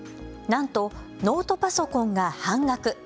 なんとノートパソコンが半額！